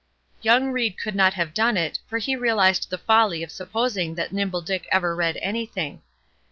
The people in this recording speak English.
Young Ried could not have done it, for he realized the folly of supposing that Nimble Dick ever read anything.